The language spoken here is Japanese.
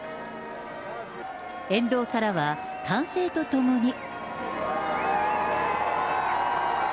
沿道からは歓声とともに。